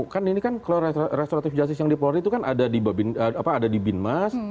kan ini kan restoratif justice yang di polri itu kan ada di binmas